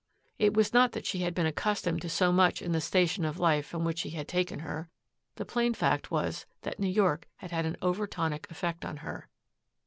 It was not that she had been accustomed to so much in the station of life from which he had taken her. The plain fact was that New York had had an over tonic effect on her.